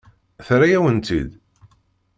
Terra-yawen-tt-id?